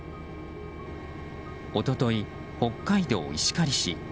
一昨日、北海道石狩市。